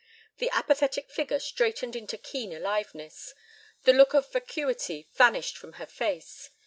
The apathetic figure straightened into keen aliveness; the look of vacuity vanished from the face.